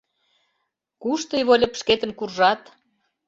— Куш тый, Выльып, шкетын куржат?